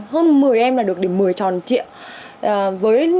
hơn một mươi em là được điểm một mươi tròn triệu